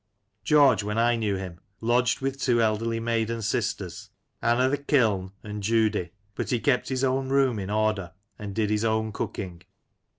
George^ when I knew him, lodged with two elderly maiden sisters, Ann o'th' Kiln and Judie, but he kept his own room in order, and did his own cooking.